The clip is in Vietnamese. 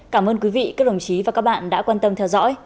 cảm ơn quý vị các đồng chí và các bạn đã quan tâm theo dõi